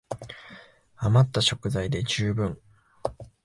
あまった食材で充分